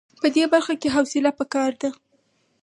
په دې برخه کې حوصله په کار ده.